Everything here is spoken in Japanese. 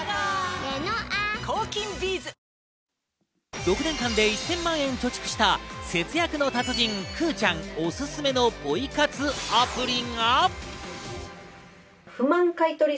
６年間で１０００万円を貯蓄した節約の達人くぅちゃんおすすめのポイ活アプリが。